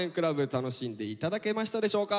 楽しんで頂けましたでしょうか。